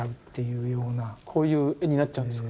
こういう絵になっちゃうんですか。